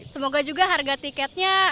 semoga juga harga tiketnya